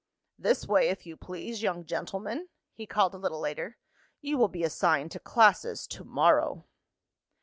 "This way, if you please, young gentlemen," he called a little later. "You will be assigned to classes to morrow."